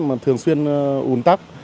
mà thường xuyên ủn tắc